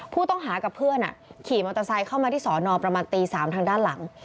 ผู้ต้องหากับเพื่อนขี่มอเตอร์ไซค์เข้ามาที่สอนอประมาณตี๓ทางด้านหลัง